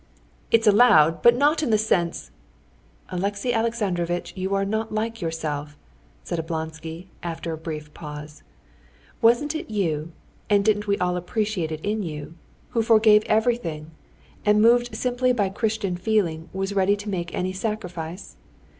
"It is allowed, but not in the sense...." "Alexey Alexandrovitch, you are not like yourself," said Oblonsky, after a brief pause. "Wasn't it you (and didn't we all appreciate it in you?) who forgave everything, and moved simply by Christian feeling was ready to make any sacrifice?